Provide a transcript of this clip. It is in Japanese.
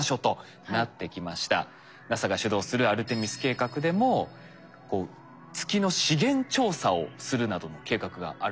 ＮＡＳＡが主導するアルテミス計画でもこう月の資源調査をするなどの計画があるんですよね。